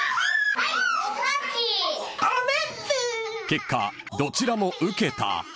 ［結果どちらもウケた］